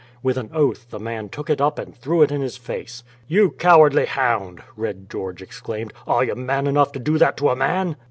With an oath the man took it up and threw it in his face. "You cowardly hound!" Red George exclaimed. "Are you man enough to do that to a man?"